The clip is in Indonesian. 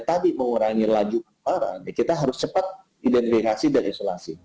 yang meninggal di dunia sekarang